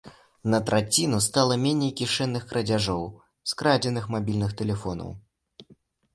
На траціну стала меней кішэнных крадзяжоў, скрадзеных мабільных тэлефонаў.